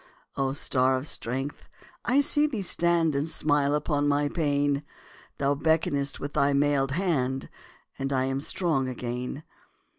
O star of strength! I see thee stand And smile upon my pain; Thou beckonest with thy mailed hand, And I am strong again.